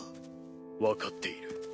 分かっている。